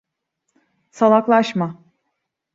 Salaklaşma.